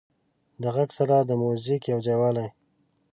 د غږ سره د موزیک یو ځایوالی